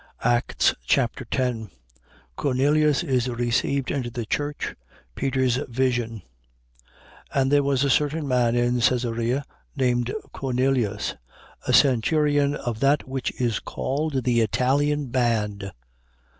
Acts Chapter 10 Cornelius is received into the church. Peter's vision. 10:1. And there was a certain man in Caesarea, named Cornelius, a centurion of that which is called the Italian band: 10:2.